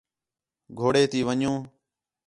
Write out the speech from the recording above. گھوڑے تی ون٘ڄوں